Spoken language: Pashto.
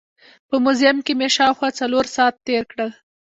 په موزیم کې مې شاوخوا څلور ساعت تېر کړل.